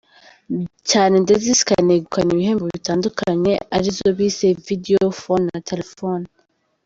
cyane ndetse zikanegukana ibihembo bitandukanye ari zo bise Video phone na "Telephone".